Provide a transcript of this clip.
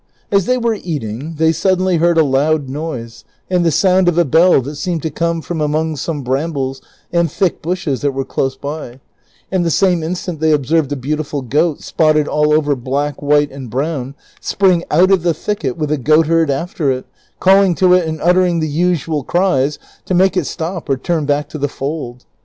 As they were eating they suddenly heard a loud noise and the sound of a bell tliat seemed to come from among some brambles and thick bushes that were close by, and the same instant they observed a beautiful goat, spotted all over black, white, and brown, spring out of the thicket with a goatherd after it, calling to it and uttering the usual cries to nuike it stop or turn back to the fold.